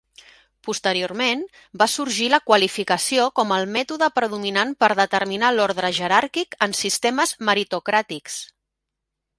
Posteriorment, va sorgir la qualificació com el mètode predominant per determinar l'ordre jeràrquic en sistemes meritocràtics.